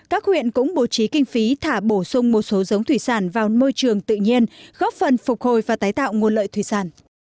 các huyện cũng bố trí kinh phí thả bổ sung một số giống thủy sản vào môi trường tự nhiên góp phần phục hồi và tái tạo nguồn lợi thủy sản